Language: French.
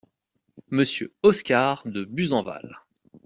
Monsieur Oscar de Buzenval.